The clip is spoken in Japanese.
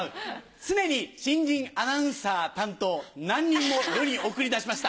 常に新人アナウンサー担当何人も世に送り出しました。